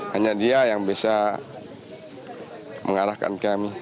hanya dia yang bisa mengarahkan kami